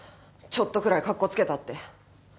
ちょっとくらいかっこつけたって。